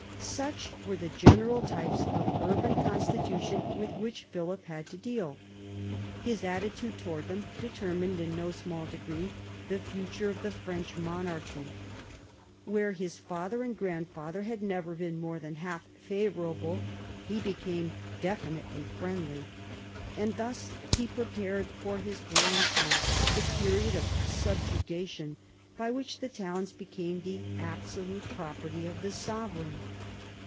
Such were the general types of urban constitution with which Philip had to deal. His attitude towards them determined in no small degree the future of the French monarchy. Where his father and grandfather had never been more than half favourable he became definitely friendly, and thus he prepared for his grand son the period of subjugation, by which the towns became the absolute property of the sovereign.